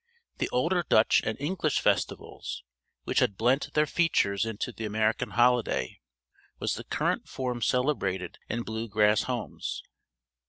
The older Dutch and English festivals which had blent their features into the American holiday was the current form celebrated in blue grass homes.